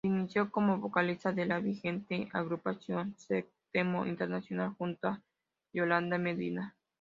Se inició como vocalista de la vigente Agrupación Sexteto Internacional junto a Yolanda Medina.